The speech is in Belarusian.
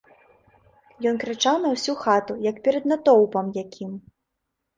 Ён крычаў на ўсю хату, як перад натоўпам якім.